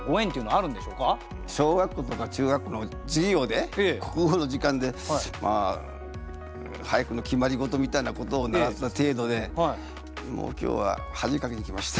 小学校とか中学校の授業で国語の時間で俳句の決まりごとみたいなことを習った程度でもう今日は恥かきに来ました。